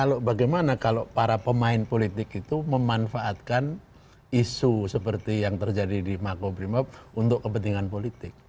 kalau bagaimana kalau para pemain politik itu memanfaatkan isu seperti yang terjadi di makobrimob untuk kepentingan politik